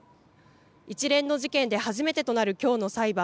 一連の事件で初めてとなるきょうの裁判。